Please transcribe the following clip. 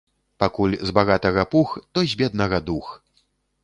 Пакуль з багатага пух, то з беднага дух.